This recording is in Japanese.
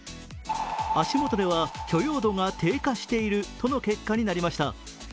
足元では許容度が低下しているとの結果になりました。